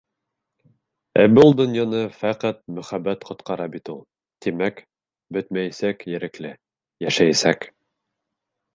Ә был донъяны фәҡәт мөхәббәт ҡотҡара бит ул. Тимәк, бөтмәйәсәк Ерекле, йәшәйәсәк!